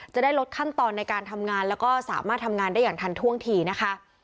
จะได้ลดขั้นตอนในการทำงานแล้วก็สามารถทำงานได้อย่างทันท่วงทีนะคะ